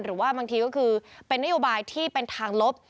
บางทีก็คือเป็นนโยบายที่เป็นทางลบ